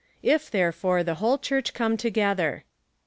If therefore the whole Church come together.